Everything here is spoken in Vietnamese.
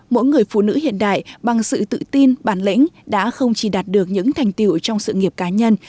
mỗi người phụ nữ hiện đại bằng sự tự tin bản lĩnh đã không chỉ đạt được những thành tiệu trong sự nghiệp cá nhân